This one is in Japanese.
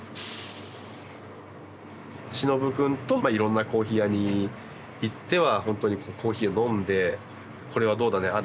忍くんといろんなコーヒー屋に行ってはほんとにコーヒーを飲んでこれはどうだねああ